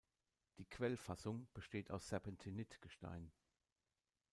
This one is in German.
Die Quellfassung besteht aus Serpentinit-Gestein.